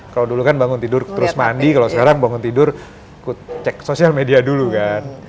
kalau dulu kan bangun tidur terus mandi kalau sekarang bangun tidur cek sosial media dulu kan